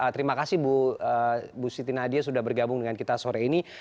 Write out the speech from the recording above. terima kasih bu siti nadia sudah bergabung dengan kita sore ini